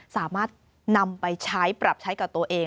สามารถนำไปใช้ปรับใช้กับตัวเอง